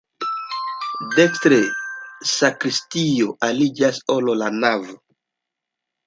Dekstre sakristio aliĝas al la navo.